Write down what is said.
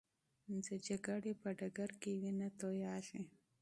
د جګړې په ډګر کې وینه تویېږي.